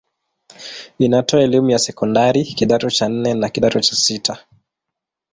Inatoa elimu ya sekondari kidato cha nne na kidato cha sita.